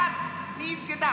「みいつけた！